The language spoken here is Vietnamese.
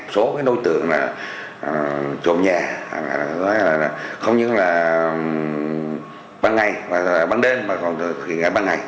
số đối tượng trộm nhà không những là ban ngày ban đêm mà còn là ban ngày